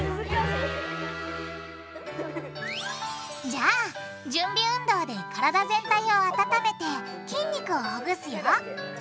じゃあ準備運動で体全体を温めて筋肉をほぐすよ！